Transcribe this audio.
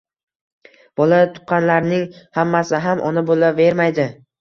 Bola tuqqanlarning hammasi ham Ona bo’lavermaydi.